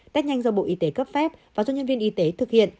test nhanh do bộ y tế cấp phép và cho nhân viên y tế thực hiện